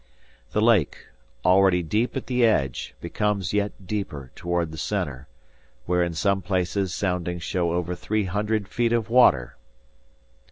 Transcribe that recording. The lake, already deep at the edge, becomes yet deeper toward the center, where in some places soundings show over three hundred feet of water.